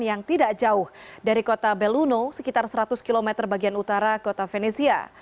yang tidak jauh dari kota belluno sekitar seratus km bagian utara kota venezia